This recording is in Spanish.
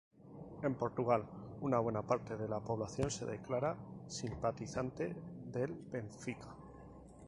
En Portugal, una buena parte de la población se declara simpatizante del Benfica.